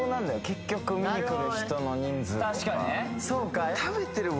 結局見に来る人の人数確かにね・